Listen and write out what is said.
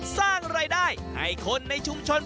สร้างรายได้ให้คนในชุมชน